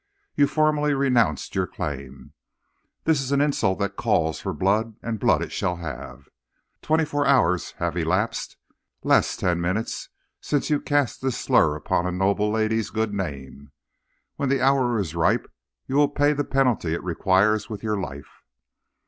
you formally renounced your claims. This is an insult that calls for blood, and blood it shall have. Twenty four hours have elapsed less ten minutes, since you cast this slur upon a noble lady's good name. When the hour is ripe, you will pay the penalty it requires with your life.'